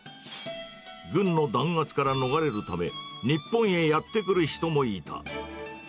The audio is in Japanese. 軍の弾圧から逃れるため、日本へやって来る人もいた。